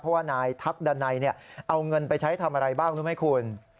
เพราะว่านายทักดันัยเอาเงินไปใช้ทำอะไรบ้างรู้ไหมคุณ